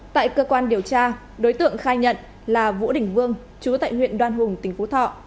tại cơ quan điều tra đối tượng khai nhận là vũ đình vương chú tại huyện đoan hùng tỉnh phú thọ